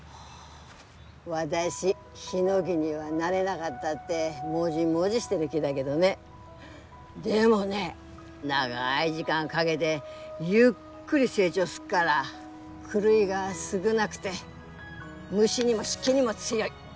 私ヒノキにはなれながったってもじもじしてる木だげどねでもね長い時間かげでゆっくり成長すっから狂いが少なくて虫にも湿気にも強い。